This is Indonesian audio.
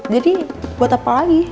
jadi buat apa lagi